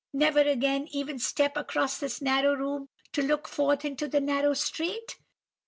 never again even step across this narrow room, to look forth into the narrow street?